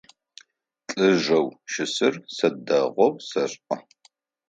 Лӏыжъэу щысыр сэ дэгъоу сэшӏэ.